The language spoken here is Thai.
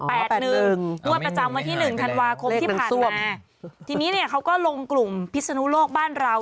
งวดประจำวันที่หนึ่งธันวาคมที่ผ่านมาทีนี้เนี่ยเขาก็ลงกลุ่มพิศนุโลกบ้านเรา